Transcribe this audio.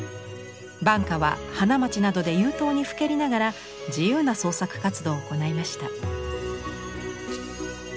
晩花は花街などで遊とうにふけりながら自由な創作活動を行いました。